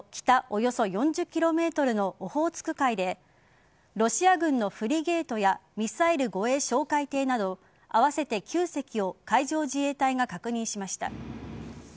およそ４０ｋｍのオホーツク海でロシア軍のフリゲートやミサイル護衛哨戒艇など合わせて９隻を海上自衛隊が確認しました。